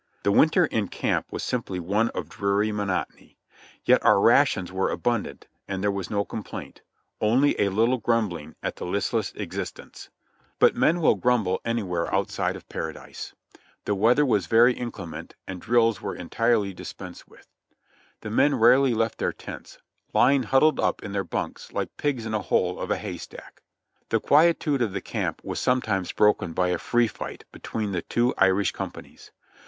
The winter in camp was simply one of dreary monotony, yet our rations were abundant and there was no complaint — only a little grumbling at the listless existence. But men will grumble 7 98 JOHNNY REB AND BILLY YANK anywhere outside of Paradise. The weather was very inclement and drills were entirely dispensed with. The men rarely left their tents ; lying huddled up in their bunks like pigs in a hole of a hay stack. The quietude of the camp was sometimes broken by a "free fight" between the two Irish companies.